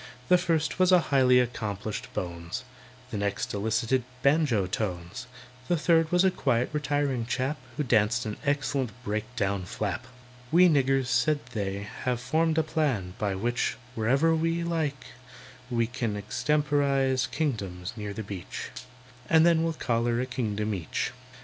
The first was a highly accomplished "bones," The next elicited banjo tones, The third was a quiet, retiring chap, Who danced an excellent break down "flap." "We niggers," said they, "have formed a plan By which, whenever we like, we can Extemporise kingdoms near the beach, And then we'll collar a kingdom each.